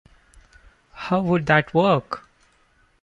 How would that work?